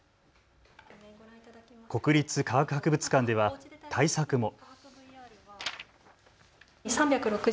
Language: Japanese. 国立科学博物館では対策も。